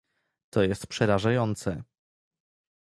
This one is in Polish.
To jest przerażające